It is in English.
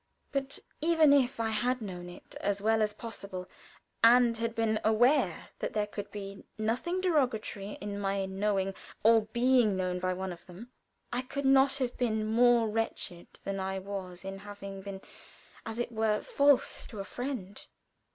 But even if I had known it as well as possible, and had been aware that there could be nothing derogatory in my knowing or being known by one of them, I could not have been more wretched than I was in having been, as it were, false to a friend.